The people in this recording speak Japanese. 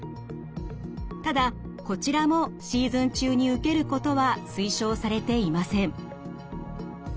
ただこちらもシーズン中に受けることは推奨されていません。